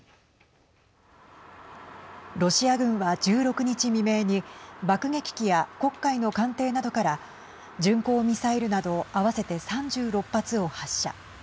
ロシア軍は１６日未明に爆撃機や黒海の艦艇などから巡航ミサイルなど合わせて３６発を発射。